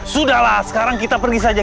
sudahlah sekarang kita pergi saja